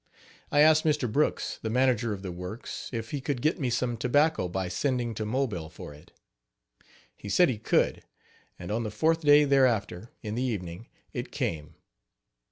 I asked Mr. Brooks, the manager of the works, if he could get me some tobacco by sending to Mobile for it. He said he could; and on the fourth day thereafter, in the evening, it came.